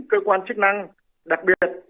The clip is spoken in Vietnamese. cơ quan chức năng đặc biệt